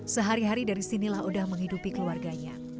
sehari hari dari sini lah odah menghidupi keluarganya